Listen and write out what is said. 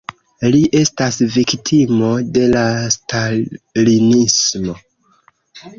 Li estas viktimo de la stalinismo.